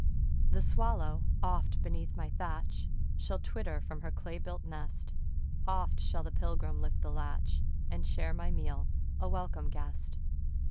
The swallow, oft, beneath my thatch, Shall twitter from her clay built nest; Oft shall the pilgrim lift the latch, And share my meal, a welcome guest.